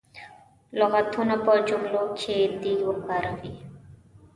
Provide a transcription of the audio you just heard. لغتونه په جملو کې دې وکاروي.